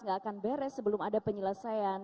nggak akan beres sebelum ada penyelesaian